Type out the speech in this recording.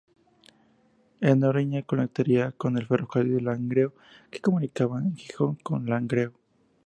En Noreña conectaría con el Ferrocarril de Langreo, que comunicaba Gijón con Langreo.